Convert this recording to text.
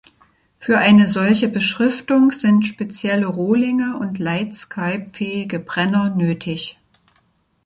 Für eine solche Beschriftung sind spezielle Rohlinge und Lightscribe-fähige Brenner nötig.